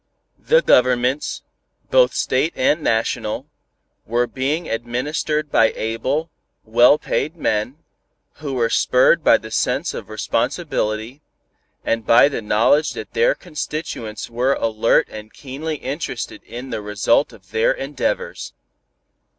The governments, both state and national, were being administered by able, well paid men who were spurred by the sense of responsibility, and by the knowledge that their constituents were alert and keenly interested in the result of their endeavors.